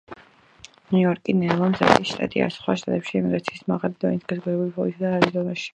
ნიუ-იორკი ნელა მზარდი შტატია სხვა შტატებში ემიგრაციის მაღალი დონით, განსაკუთრებით ფლორიდასა და არიზონაში.